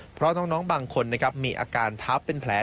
เพราะน้องบางคนนะครับมีอาการทับเป็นแผล